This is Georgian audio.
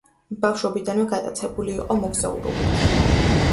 ბავშვობიდანვე გატაცებული იყო მოგზაურობით.